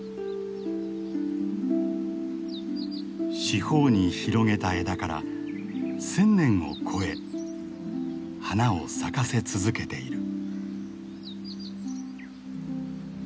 四方に広げた枝から１，０００年を超え花を咲かせ続けている。